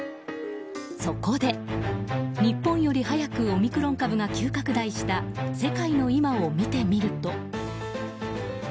そこで、日本より早くオミクロン株が急拡大した世界の今を見てみると。